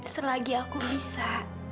selagi aku bisa